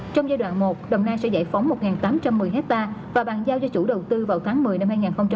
trong giai đoạn một đồng nai sẽ giải phóng một tám trăm một mươi hectare và bàn giao cho chủ đầu tư vào tháng một mươi năm hai nghìn hai mươi